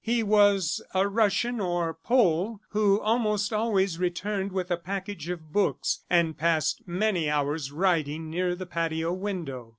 He was a Russian or Pole who almost always returned with a package of books, and passed many hours writing near the patio window.